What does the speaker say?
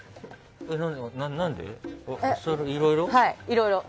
いろいろ。